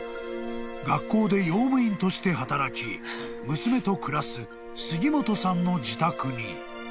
［学校で用務員として働き娘と暮らす杉本さんの自宅に］